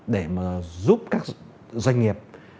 để giúp các doanh nghiệp